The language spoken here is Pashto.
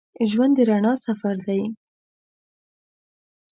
ژوند د رڼا سفر دی.